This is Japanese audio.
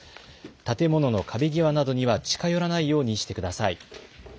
建物の壁際などには近寄らないようにしてください。